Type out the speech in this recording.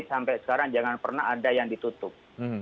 sampai sekarang jangan pernah ada yang ditutup